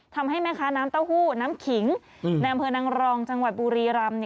ทำให้แม่ค้าน้ำเต้าหู้น้ำขิงในอำเภอนางรองจังหวัดบุรีรำ